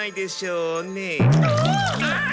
あっ。